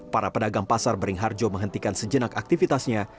para pedagang pasar beringharjo menghentikan sejenak aktivitasnya